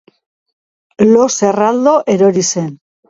Lo zerraldo erori zen.